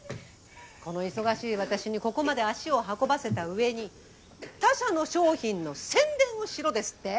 この忙しい私にここまで足を運ばせた上に他社の商品の宣伝をしろですって？